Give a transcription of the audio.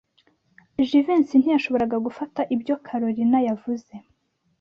Jivency ntiyashoboraga gufata ibyo Kalorina yavuze.